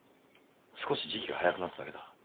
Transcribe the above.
少し時期が早くなっただけだ。